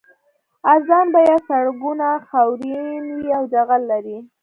ارزان بیه سړکونه خاورین وي او جغل لري